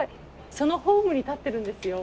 そのホームに立ってるんですよ。